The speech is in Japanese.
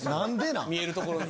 見えるところに。